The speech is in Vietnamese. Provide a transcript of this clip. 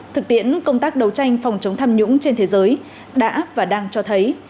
thực tiễn công tác đấu tranh phòng chống tham nhũng trên thế giới đã và đang cho thấy